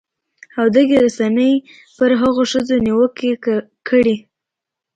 او دغې رسنۍ هم پر هغو ښځو نیوکې کړې